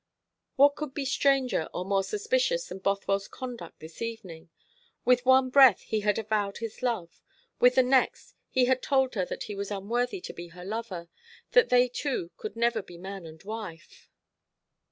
What could be stranger or more suspicious than Bothwell's conduct this evening? With one breath he had avowed his love; with the next he had told her that he was unworthy to be her lover that they two could never be man and wife.